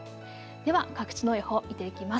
では各地の予報見ていきます。